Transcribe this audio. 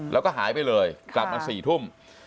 แล้วก็หายไปเลยกลับมา๔ทุ่ม